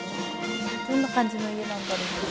どんな感じの家なんだろう？